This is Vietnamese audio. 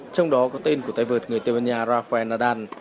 trong đó có tên của tay vợt người tây ban nha rafael nadan